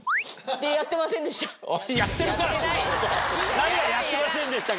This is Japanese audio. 何が「やってませんでしたか？」